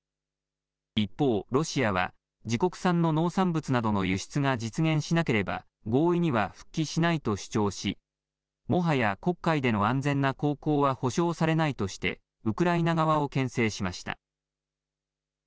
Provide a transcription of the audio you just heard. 一方、ロシアは自国産の農産物などの輸出が実現しなければ合意には復帰しないと主張しもはや黒海での安全な航行は保証されないとしてウクライナ側をけん制しました。